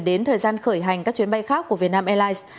đến thời gian khởi hành các chuyến bay khác của việt nam airlines